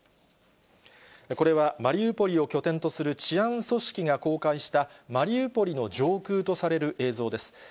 これはマリウポリを拠点とする治安組織が公開した、マリウポリの上空とされる映像です。